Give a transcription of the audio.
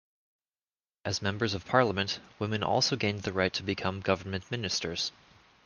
As Members of Parliament, women also gained the right to become government ministers.